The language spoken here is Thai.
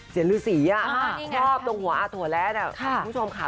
เย็นรี๊ดสีอ่ะ